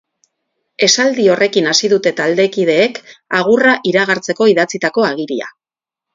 Esaldi horrekin hasi dute taldekideek agurra iragartzeko idatzitako agiria.